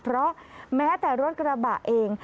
เพราะแม้แต่รถกระบะเอง